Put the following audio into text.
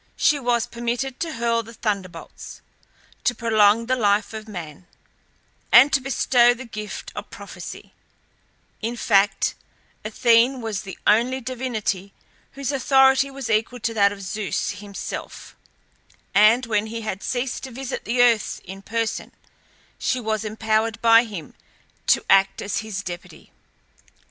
She was permitted to hurl the thunderbolts, to prolong the life of man, and to bestow the gift of prophecy; in fact Athene was the only divinity whose authority was equal to that of Zeus himself, and when he had ceased to visit the earth in person she was empowered by him to act as his deputy.